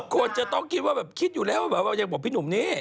คนจะต้องคิดว่าอย่างพี่หนุ่มนี่